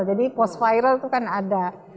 jadi post viral itu kan ada